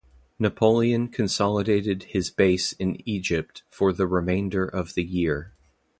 Napoleon consolidated his base in Egypt for the remainder of the year.